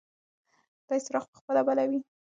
دی څراغ په خپله بلوي.